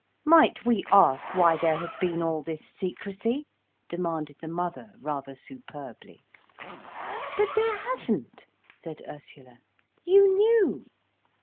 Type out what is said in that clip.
"Might we ask why there has been all this secrecy?" demanded the mother, rather superbly. "But there hasn't," said Ursula. "You knew."